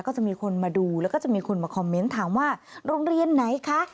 ก็จะมีคนมาดูแล้วก็จะมีคนมาคอมเมนต์ถามว่าโรงเรียนไหนคะ